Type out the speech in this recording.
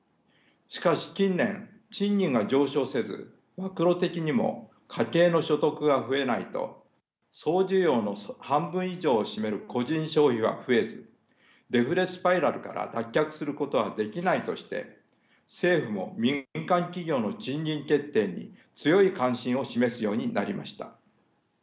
しかし近年賃金が上昇せずマクロ的にも家計の所得が増えないと総需要の半分以上を占める個人消費は増えずデフレスパイラルから脱却することはできないとして政府も民間企業の賃金決定に強い関心を示すようになりました。